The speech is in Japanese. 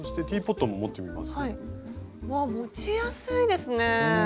うわ持ちやすいですね。